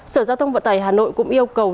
sở giao thông vận tải hà nội cũng yêu cầu